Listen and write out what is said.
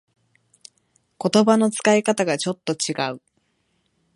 言葉の使い方がちょっと違う